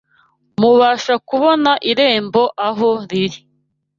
mubasha kubona irembo aho riri